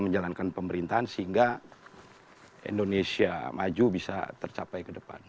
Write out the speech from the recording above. menjalankan pemerintahan sehingga indonesia maju bisa tercapai ke depan